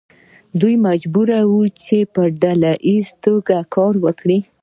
دوی مجبور وو چې په ډله ایزه توګه کار وکړي.